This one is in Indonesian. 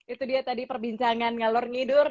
itu dia tadi perbincangan ngalur ngidur